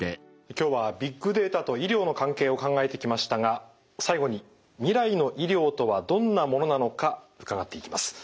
今日はビッグデータと医療の関係を考えてきましたが最後に未来の医療とはどんなものなのか伺っていきます。